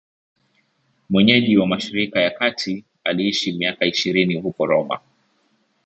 Mwenyeji wa Mashariki ya Kati, aliishi miaka ishirini huko Roma.